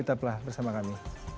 tetaplah bersama kami